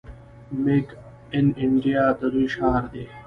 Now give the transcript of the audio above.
میک ان انډیا د دوی شعار دی.